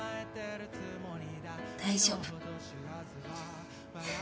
大丈夫。